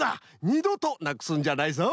にどとなくすんじゃないぞ。